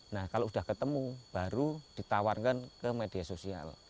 nah kalau sudah ketemu baru ditawarkan ke media sosial